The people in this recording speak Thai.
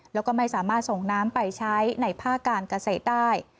แล้วก็ไม่สามารถส่งน้ำไปใช้ในภาคการเกษตรได้